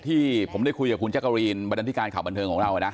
พี่ผมได้คุยว่าคุณจักรีนบาดันทิการขาวบรรเทิงัแล้วนะ